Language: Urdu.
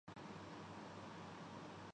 اس سے زیادہ کچھ کرنے کو رہا نہیں۔